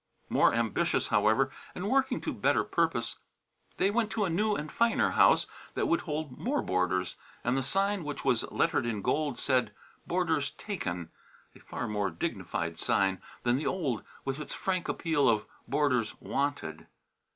More ambitious, however, and working to better purpose. They went to a new and finer house that would hold more boarders; and the sign, which was lettered in gold, said, "Boarders Taken," a far more dignified sign than the old with its frank appeal of "Boarders Wanted."